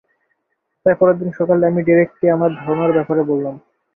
তাই, পরের দিন সকালে, আমি ডেরেককে আমার ধারণার ব্যাপারে বললাম।